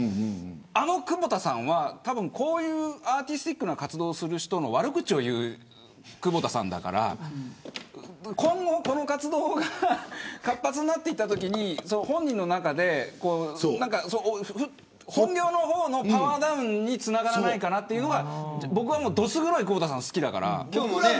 あの久保田さんはこういうアーティスティックな活動をする人の悪口を言う久保田さんだから今後、この活動が活発になっていったときに本人の中で本業の方のパワーダウンにつながらないかなというのが僕は、どす黒い久保田さんが好きだから。